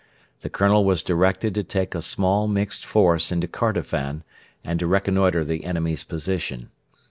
The colonel was directed to take a small mixed force into Kordofan and to reconnoitre the enemy's position.